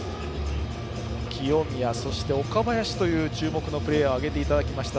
清宮、そして岡林という注目のプレーヤーを挙げていただきました。